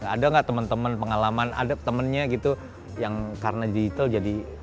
ada nggak teman teman pengalaman ada temennya gitu yang karena digital jadi